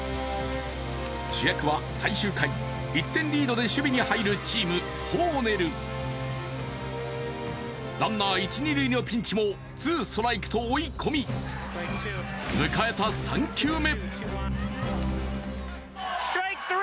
主役は最終回、１点リードで守備に入るチーム、ホーネル、ランナー一・二塁のピンチもツーストライクにし、迎えた３球目。